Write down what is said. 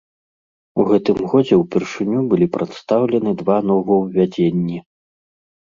У гэтым годзе ўпершыню былі прадстаўлены два новаўвядзенні.